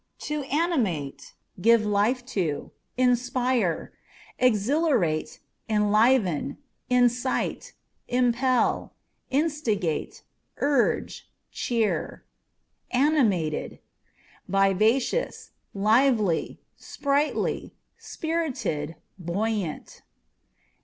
To Animate â€" give life to, inspire, exhilarate, enliven, incite, impel, instigate, urge ; cheer. Animated â€" vivacious, lively, sprightly, spirited, buoyant.